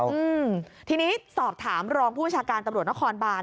อืมทีนี้สอบถามรองผู้ประชาการตำรวจนครบาน